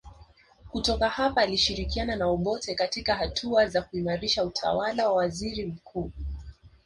Kutoka hapa alishirikiana na Obote katika hatua za kuimarisha utawala wa waziri mkuu